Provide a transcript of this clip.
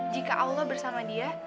jika allah bersama dia